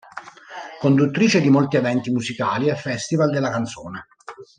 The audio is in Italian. Conduttrice di molti eventi musicali e Festival della canzone.